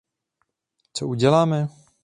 Co uděláme?